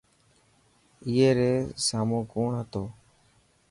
اي ري سامون ڪون هتو.